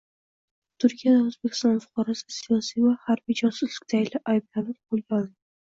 Turkiyada O‘zbekiston fuqarosi siyosiy va harbiy josuslikda ayblanib, qo‘lga olindi